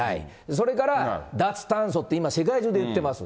それから脱炭素って、今、世界中で言ってます。